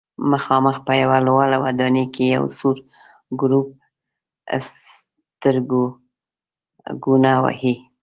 مخامخ په یوه لوړه ودانۍ کې یو سور ګروپ سترګکونه وهي.